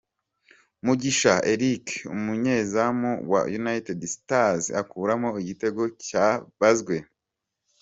Mugisha Eric umunyezamu wa United Stars akuramo igitego cyari cyabazwe.